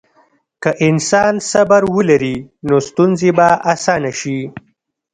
که انسان صبر ولري، نو ستونزې به اسانه شي.